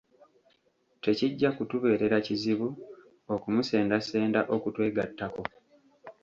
Tekijja kutubeerera kizibu okumusendasenda okutwegattako.